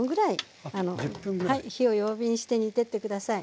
火を弱火にして煮てって下さい。